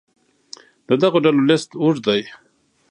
د دغو ډلو لست اوږد دی.